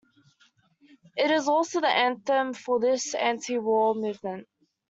It is also the anthem for this anti-war movement.